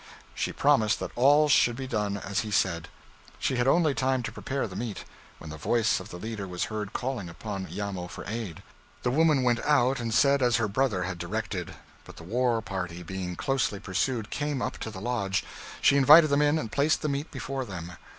She promised that all should be done as he said. She had only time to prepare the meat, when the voice of the leader was heard calling upon Iamo for aid. The woman went out and said as her brother had directed. But the war party being closely pursued, came up to the lodge. She invited them in, and placed the meat before them.